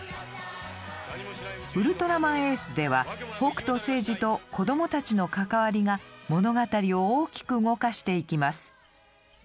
「ウルトラマンＡ」では北斗星司と子供たちの関わりが物語を大きく動かしていきます。